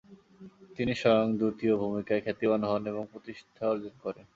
তিনি স্বয়ং দূতীর ভূমিকায় খ্যাতিমান হন ও প্রতিষ্ঠা অর্জন করেন।